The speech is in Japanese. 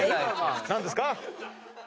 何ですか？